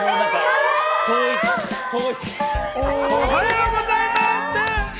おはようございます。